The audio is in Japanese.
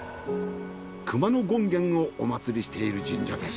熊野権現をお祀りしている神社です。